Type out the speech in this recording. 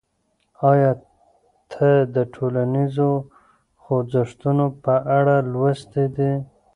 آیا تا د ټولنیزو خوځښتونو په اړه لوستي دي؟